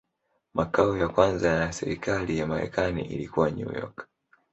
Makao ya kwanza ya serikali ya Marekani ilikuwa New York.